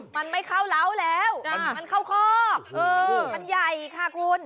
มันไม่เข้าเล้าแล้วมันเข้าคอกมันใหญ่ค่ะคุณ